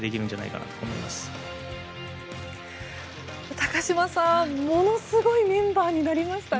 高島さん、ものすごいメンバーになりましたね。